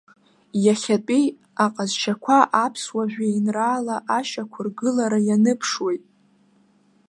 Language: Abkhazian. Иахьатәи аҟазшьақәа аԥсуа жәеинраала ашьақәыргылара ианыԥшуеит.